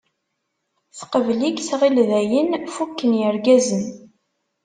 Teqbel-ik, tɣill dayen fukken irgazen.